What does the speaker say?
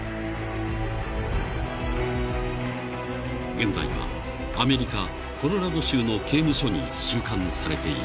［現在はアメリカコロラド州の刑務所に収監されている］